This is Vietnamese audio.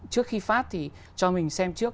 trước khi phát thì cho mình xem trước